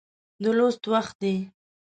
د لوست وخت دی